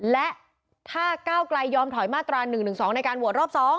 และถ้าก้าวไกลยอมถอยมาตรา๑๑๒ในการโหวตรอบ๒